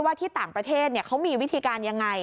ที่ต่างประเทศเขามีวิธีการยังไง